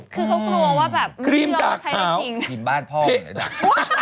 คือเขากลัวว่าแบบเฮียวใช้ไม่จริง